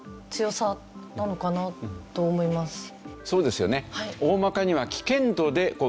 そうですよね。